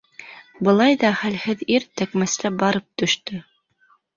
Былай ҙа хәлһеҙ ир тәкмәсләп барып төштө.